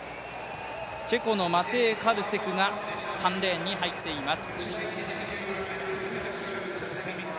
チェコのマテイ・カルセクが３レーンに入っています。